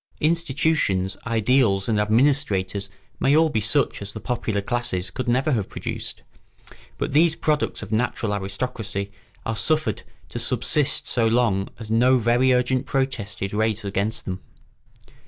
Institutions, ideals, and administrators may all be such as the popular classes could never have produced; but these products of natural aristocracy are suffered to subsist so long as no very urgent protest is raised against them.